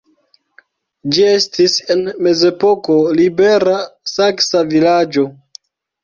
Ĝi estis en mezepoko libera saksa vilaĝo.